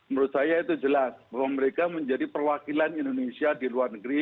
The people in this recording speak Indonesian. menurut saya itu jelas bahwa mereka menjadi perwakilan indonesia di luar negeri